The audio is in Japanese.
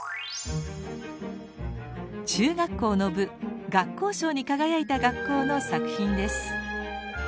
中学校の部学校賞に輝いた学校の作品です。